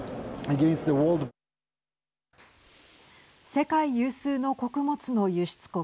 世界有数の穀物の輸出国